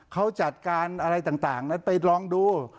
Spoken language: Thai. เขาจัดการอะไรต่างนั้นไปลองดู